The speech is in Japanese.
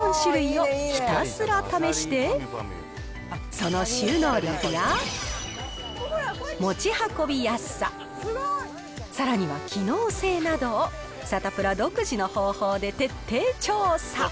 そこで、人気のキャリーケース１４種類をひたすら試して、その収納力や持ち運びやすさ、さらには機能性などをサタプラ独自の方法で徹底調査。